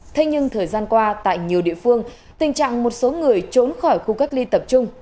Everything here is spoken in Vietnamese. thế nhưng thời gian qua tại nhiều địa phương tình trạng một số người trốn khỏi khu cách ly tập trung